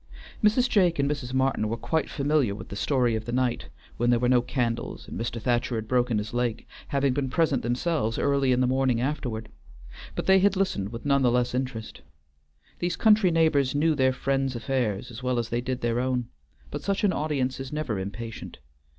Mrs. Jake and Mrs. Martin were quite familiar with the story of the night when there were no candles and Mr. Thacher had broken his leg, having been present themselves early in the morning afterward, but they had listened with none the less interest. These country neighbors knew their friends' affairs as well as they did their own, but such an audience is never impatient.